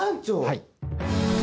はい。